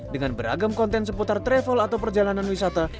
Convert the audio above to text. dengan beragam konten seputar travel atau perjalanan wisata